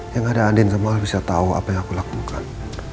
yang ada andin semua bisa tahu apa yang aku lakukan